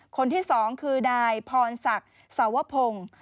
คนที่๒คือนายพรศักดิ์สวพงศ์